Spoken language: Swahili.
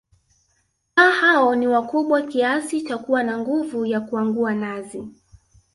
Kaa hao ni wakubwa Kiasi cha kuwa na nguvu ya kuangua nazi